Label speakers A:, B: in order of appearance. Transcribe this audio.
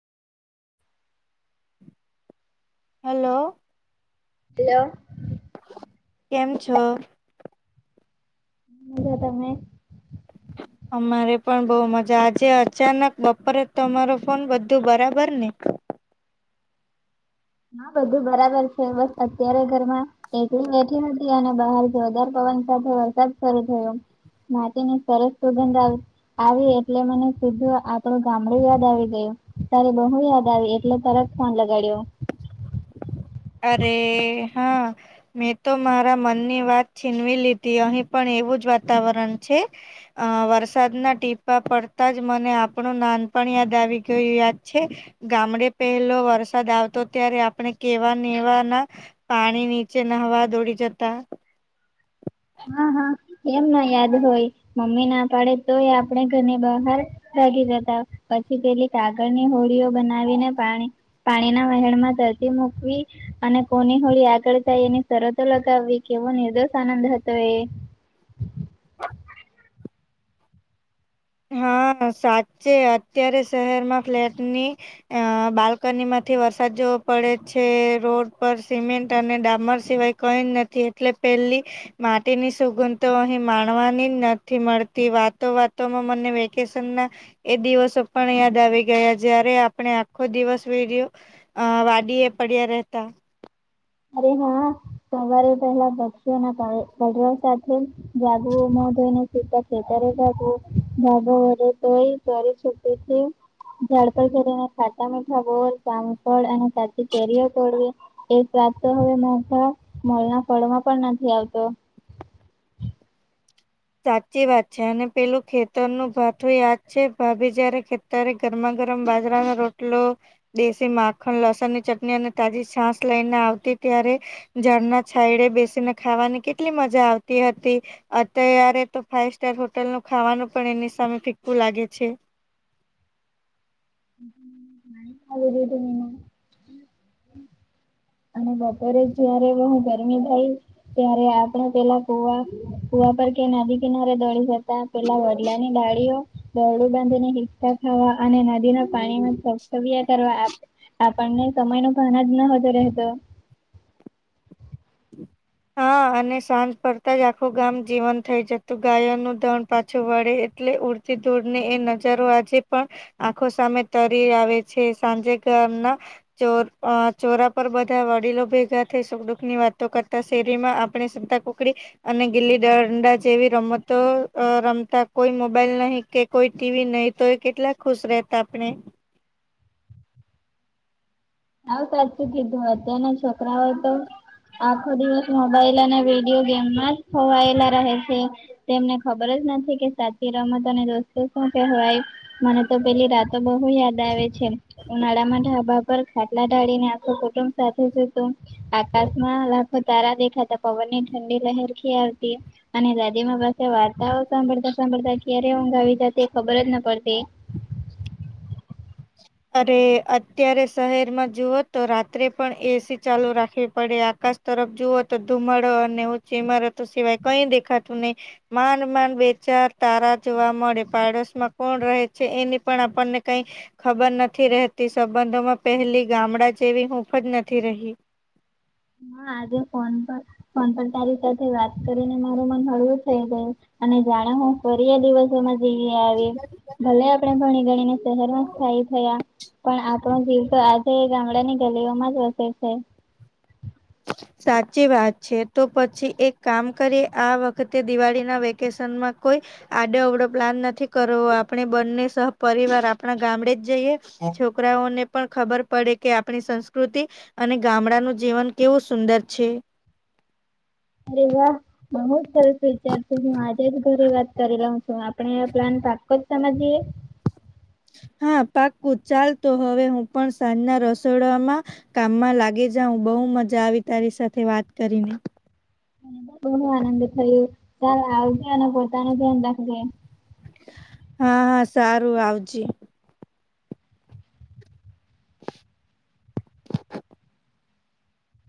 A: Hello.
B: Hello.
A: કેમ છે?
B: મજામાં તમે.
A: અમારે પણ બહુ મજા, આજે અચાનક બપોરે તમારો ફોન બધું બરાબર ને.
B: હા, બધું બરાબર છે, બસ અત્યારે ઘરમાં. એકરી બેઠી હતી, અને બહાર જોરદાર પવન સાથે વરસાદ શરૂ થયો. મા ન સરસ સુગંધ આવે. આવી, એટલે મને સીધું આપણું ગામડું યાદ આવી ગયું, તારે બહુ યાદ આવી, એટલે તરત કોણ લગાડીઓ.
A: અરે, હા. મેં તો મારા મનની વાત છીનવી લીધી અહીં પણ એવું જ વાતાવરણ છે. અ વરસાદના ટીપા પડતા જ મને આપણું નાન પણ યાદ આવી ગયું યાદ છે. ગામડે પહેલો વરસાદ આવતો ત્યારે આપણે કેવા નેવા ના પાણી નીચે નહવા દોડી જતા.
B: હા હા એમ ના યાદ હોય મમ્મી ના પાડે તોય આપણે ઘરની બહાર ભાગી જતા પછી પેલી કાગળની હોળઓ બનાવી ને પાણી પાણી ના વહેણ માં ધરતી મૂકવી અને કોની હોળી આગળ થાય એની શરતો લગાવવી કેવો નિર્દોષ આનંદ હતો, એ.
A: હા સાચે અત્યારે શહેરમાં ફ્લેટની અ બાલ્કની માંથી વરસાદ જોવો પડે છે, રોડ પર સિમેન્ટ અને ડામર સિવાય કઈ નથી એટલે પેલી માટીની સુગણ તો અહી માણવાની જ નથી મળતી વાતો વાત તો મને વેકેશન ના એ દિવસો પણ યાદ આવી ગયા જય્યારે આપણે આખો દિવસ વયો અ વાડી એ પડ્યા રહેતા.
B: અરે હા સવારે પેલા પક્ષીઓના પડવા સાથે જાગવુ અને સીધા ખેતરે ભાગવું [unintelligible] તે ઝાડ પર કરીને ખાતા મીઠા બોલ જામફળ અને. કાચી કેરીઓ તોડીએ રાત તો હવે મોઠા મોના ફળમાં પણ નથી આવતો.
A: સાચી વાત છે અને પેલું ખેતર નું ભાથું યાદ છે ભાભી જયારે. અત્યારે ગરમા ગરમ બાજરાનો રોટલો દેશી માખણ લસણની ચટણી અને તાજી છાસ લઈને આવતી ત્યારે ઝાળના છાયડે બેસીને ખાવાની કેટલી મજા આવતી હતી. તય્યારે તો ફાાઈવ સ્ટાર હોટલનું ખાવાનું પણ એની સામે ફીકકું લાગે છે.
B: [unintelligible] અને બપોરે જયારે બહુ ગરમી થાય ત્યારે આપણે પેલા કુવા કૂવા પર કે નાદી કિનારે દોડી જતા. પેલા વડલાની ડાળીઓ. દોરડું બાંધીને હીચકા ખાવા અને નદીના પાણીમાં છબછબિયા કરવા આપે. આપણને સમય નો ભાણ જ નહોતો રહેતો.
A: હા અને સાંજ પડતા જ આખું ગામ જીવન થઈ જતું ગાય નું ધણ પાછું વળે. એટલે ઉડતી દોડને એ નજારો આજે પણ. આંખો સામે તરી આવે છે સાંજે ઘરના ચોર ચોરા પર બધા વડીલો ભેગા થઈ સુખદુઃખ ની વાતો કર તા શેરીમાં આપણે શતા કુકડી અને ગીલી દંડા જેવી રમતો રમતા કોઈ મોબાઈલ નહી કે કોઈ ટીવી નહી તો કેટલા ખુશ રહેતા આપણે.
B: આવ સાચું કીધું અત્યારના છોકરાઓ તો આખો દિવસ મોબાઈલ અને વિડીયો ગેમમાં જ ખોવાયેલા રહે છે. તેમને ખબર જ નથી કે સાચી રમત અને દોસ્તો શું કહેવાય મને તો પેલી રાતો બહુ યાદ આવે છે ઉનાળામાં ઢાબા પર ખાટલા ઢાળીને આખો કુટુંબ સાથે સૂતું આકાશમાં લાખો તારા દેખાતા પવન ની ઠંડી લહેર ખી આવતી. અને દાદી માં પાસે વાર્તાઓ સાંભળતા સાંભળતા ક્યારે હુંઘ આવી જાતી ખબર જ ન પડતી.
A: અરે અત્યારે શહેરમાં જુઓ તો રાત્રે પણ એસી ચાલુ રાખવી પડે આકાશ તરફ જુઓ તો ધુમડો અને ઊંચી ઈમારતો સિવાય કઈ દેખાતું નહી માન માન બેચાર તારા જોવા મળે પાડોશમાં કોણ રહે છે, એની પણ આપણને કઈ ખબર નથી રહેતી સંબંધોમાં પહેલી ગામડા જેવી હુંફ જ નથી રહી
B: હા આજે ફોન પર ફોન પણ તારી સાથે વાત કરીને મારું મન હળવું થઈ ગયુ અને જાણે હુ ફરીયા દિવસોમાં જેવી આવી ભલે આપણે ભણી ગણીને શહેરમાં સ્થાયી થયાં. પણ આપણો જીવતો આજે ગામડાની ગલીઓમાં જ વસે છે.
A: સાચી વાત છે. તો પછી એક કામ કરીએ આ વખતે દિવાળી ના વે કેશનમાં કોઈ આડે અવડો પ્લાન નથી કરવો આપણે બંને સહ પરિવાર આપણાં ગામડે જ જઈએ. છોકરાઓને પણ ખબર પડે કે આપણી સંસ્કૃતિ અને ગામડાનું જીવન કેવું સુંદર છે.
B: અરે વાહ. બહુ જ સરસ વિચાર છે હું આજે જ ઘરે વાત કરી લઉ છું આપણે આ પ્લાન પા માં જઈએ?
A: હા, પાકું ચાલ તો હવે હું પણ સાંજના રસોડામાં કામમાં લાગી જાઉ બહુ મજા આવી તારી સાથે વાત કરીને.
B: ઘણું આનંદ થયું ચાલ આવજે અને પોતાનું ધ્યાન રાખજે.
A: હા, હા, સારું આવજે. [inaudible]